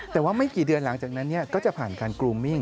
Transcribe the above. แต่ว่าไม่กี่เดือนหลังจากนั้นก็จะผ่านการกรูมิ่ง